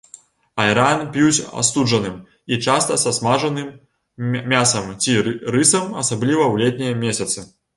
Айран п'юць астуджаным і часта са смажаным мясам ці рысам, асабліва ў летнія месяцы.